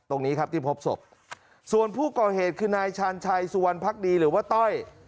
ตรงนี้ครับที่พบศพส่วนผู้ก่อเหตุคือนายชาญชัยสุวรรณภักดีหรือว่าต้อย